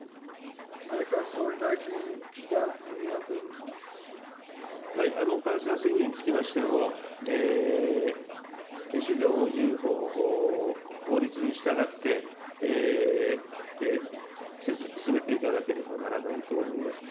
内閣総理大臣、解散請求につきましても、宗教法人法、法律に従って、進めていかなければならないと思います。